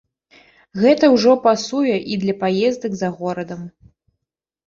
Гэта ўжо пасуе і для паездак за горадам.